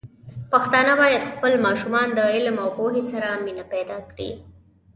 پښتانه بايد خپل ماشومان د علم او پوهې سره مینه پيدا کړي.